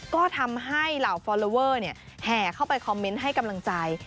ก็ทำให้เหล่าฟอลลอเวอร์แห่เข้าไปคอมเมนต์ให้กำลังใจ